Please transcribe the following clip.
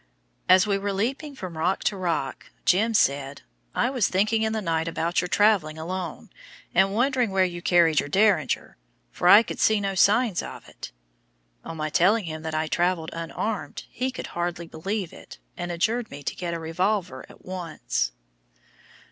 As we were leaping from rock to rock, "Jim" said, "I was thinking in the night about your traveling alone, and wondering where you carried your Derringer, for I could see no signs of it." On my telling him that I traveled unarmed, he could hardly believe it, and adjured me to get a revolver at once.